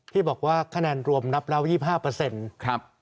พี่บอกว่าคะแนนรวมนับเรา๒๕